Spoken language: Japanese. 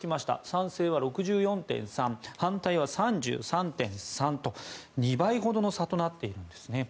賛成派６４．３反対は３３．３と２倍ほどの差になっています。